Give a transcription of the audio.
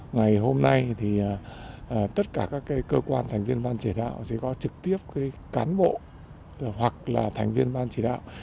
ngày hôm nay thì tất cả các cơ quan thành viên ban chỉ đạo sẽ có trực tiếp cán bộ hoặc là thành viên ban chỉ đạo